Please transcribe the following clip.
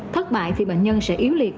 thất bại thì bệnh nhân sẽ yếu liệt